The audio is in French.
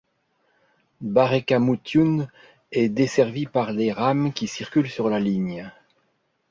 Barekamoutioun est desservie par les rames qui circulent sur la ligne.